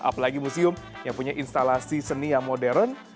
apalagi museum yang punya instalasi seni yang modern